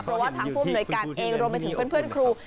เพราะว่าทางผู้อำนวยการเองรวมไปถึงเพื่อนครู